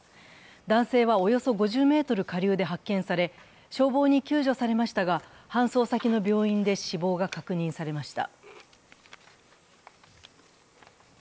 男性は、およそ５０ｍ下流で発見され、消防に救助されましたが搬送先の病院で死亡が確認されました。